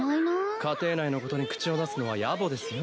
家庭内のことに口を出すのはやぼですよ。